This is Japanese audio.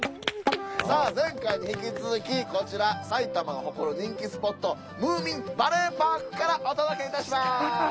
さあ前回に引き続きこちら埼玉が誇る人気スポットムーミンバレーパークからお届け致します。